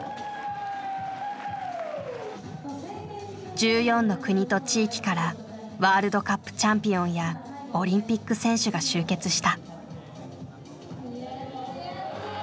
１４の国と地域からワールドカップチャンピオンやオリンピック選手が集結した。